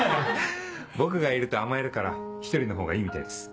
僕がいると甘えるから１人のほうがいいみたいです。